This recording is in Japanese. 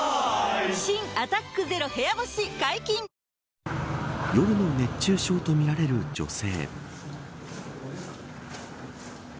新「アタックＺＥＲＯ部屋干し」解禁‼夜の熱中症とみられる女性。